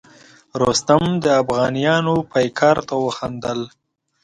رستم د افغانیانو پیکار ته وخندل.